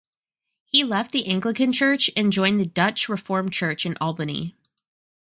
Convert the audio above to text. He left the Anglican Church and joined the Dutch Reformed Church in Albany.